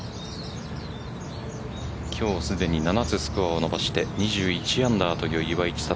今日すでに７つスコアを伸ばして２１アンダーという岩井千怜。